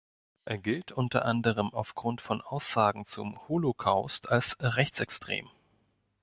Er gilt unter anderem aufgrund von Aussagen zum Holocaust als rechtsextrem.